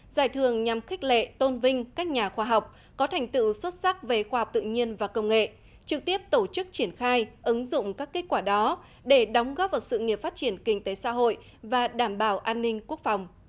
giải thưởng nhằm khích lệ tôn vinh các nhà khoa học có thành tựu xuất sắc về khoa học tự nhiên và công nghệ trực tiếp tổ chức triển khai ứng dụng các kết quả đó để đóng góp vào sự nghiệp phát triển kinh tế xã hội và đảm bảo an ninh quốc phòng